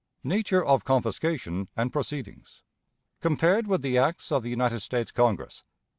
Nature of Confiscation and Proceedings. Compared with the Acts of the United States Congress.